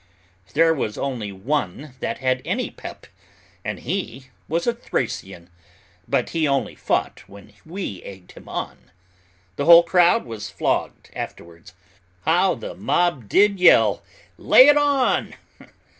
There was only one that had any pep, and he was a Thracian, but he only fought when we egged him on. The whole crowd was flogged afterwards. How the mob did yell 'Lay it on!